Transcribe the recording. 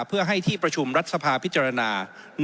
เพื่อให้ที่ประชุมรัฐสภาพิจารณา